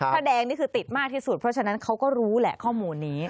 ถ้าแดงนี่คือติดมากที่สุดเพราะฉะนั้นเขาก็รู้แหละข้อมูลนี้